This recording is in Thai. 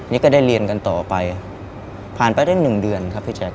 นี่ก็ได้เรียนกันต่อไปผ่านไปได้หนึ่งเดือนครับพี่แจ๊